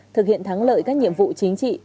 thực hiện thắng lợi các nhiệm vụ chính trị